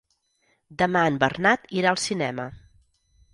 Demà en Bernat irà al cinema.